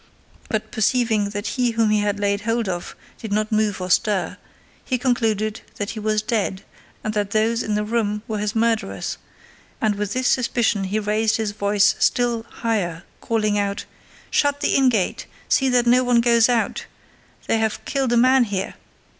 but perceiving that he whom he had laid hold of did not move or stir, he concluded that he was dead and that those in the room were his murderers, and with this suspicion he raised his voice still higher, calling out, "Shut the inn gate; see that no one goes out; they have killed a man here!"